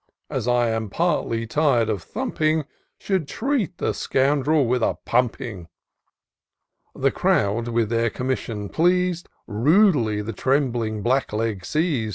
As I am partly tired of thumping, Should treat the scoundrel with a pumping." The crowd, with their commission pleas'd, Rudely the trembling Black leg seiz'd.